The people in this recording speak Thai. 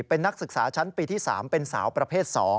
เป็นนักศึกษาชั้นปีที่๓เป็นสาวประเภท๒